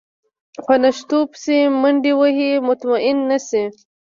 په نشتو پسې منډې وهي مطمئن نه شي.